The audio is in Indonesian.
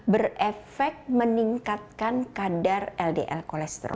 berefek meningkatkan kadar ldl kolesterol